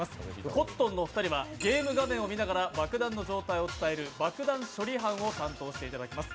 コットンのお二人はゲーム画面を見ながら爆弾の状態を伝える爆弾処理班を担当していただきます。